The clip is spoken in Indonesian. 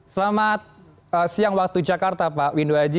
selamat siang waktu jakarta pak windu aji